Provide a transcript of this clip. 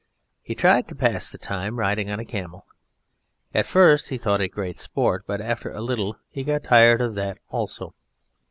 He tried to pass the time riding on a camel. At first he thought it great sport, but after a little he got tired of that also.